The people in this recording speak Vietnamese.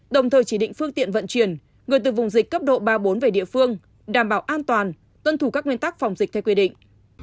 đồng thời chỉ định phương tiện vận chuyển người từ vùng dịch cấp độ ba bốn về địa phương đảm bảo an toàn tuân thủ các nguyên tắc phòng dịch theo quy định